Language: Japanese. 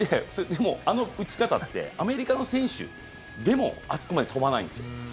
でも、あの打ち方ってアメリカの選手でもあそこまで飛ばないんですよ。